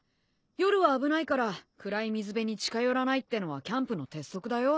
夜は危ないから暗い水辺に近寄らないってのはキャンプの鉄則だよ。